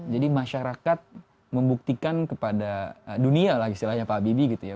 jadi masyarakat membuktikan kepada dunia lah istilahnya pak habibie gitu ya